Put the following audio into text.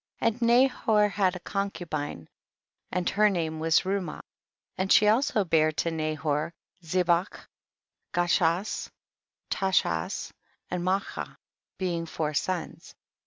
18. And Nahor had a concubine and her name was Reumah, and she also bare to Nahor, Zebach, Ga chash, Tachash and Maacha, being four sons.